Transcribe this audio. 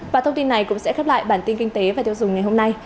và thông tin này cũng sẽ khép lại bản tin kinh tế và tiêu dùng ngày hôm nay